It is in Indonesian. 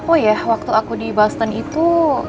oh ya waktu aku di boston itu